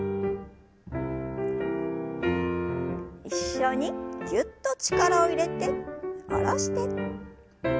一緒にぎゅっと力を入れて下ろして。